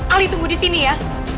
ali tunggu di sini ya